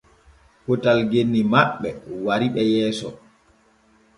Potal genni maɓɓe wariɓe yeeso.